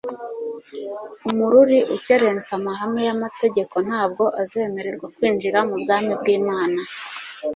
Umururi ukerensa amahame y'amategeko ntabwo azemererwa kwinjira mu bwami bw'Imana.